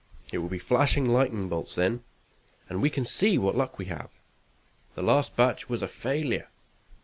It will be flashing lightning bolts then, and we can see what luck we have. The last batch was a failure."